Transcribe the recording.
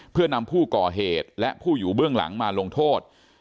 เพื่อนำผู้ก่อเหตุและผู้อยู่เบื้องหลังมาลงโทษ